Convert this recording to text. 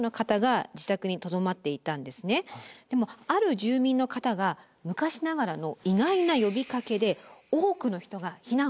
でもある住民の方が昔ながらの意外な呼びかけで多くの人が避難を始めるんです。